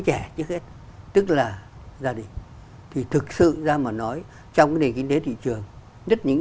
trẻ trước hết tức là gia đình thì thực sự ra mà nói trong cái nền kinh tế thị trường nhất những